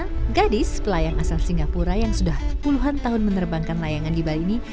karena gadis pelayang asal singapura yang sudah puluhan tahun menerbangkan layangan di bali ini